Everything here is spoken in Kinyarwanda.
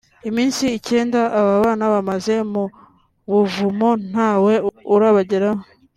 Iminsi icyenda aba bana bamaze mu buvumo nta we urabageraho